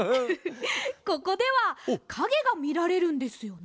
ここではかげがみられるんですよね？